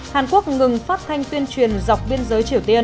hàn quốc ngừng phát thanh tuyên truyền dọc biên giới triều tiên